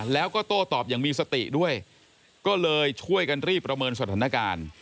แล้วก็โต้ตอบอย่างมีสติด้วยก็เลยช่วยกันรีบประเมินสถานการณ์